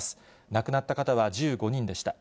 亡くなった方は１５人でした。